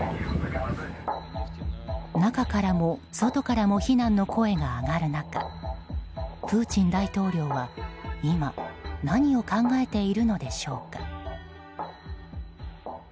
中からも外からも非難の声が上がる中プーチン大統領は今何を考えているのでしょうか。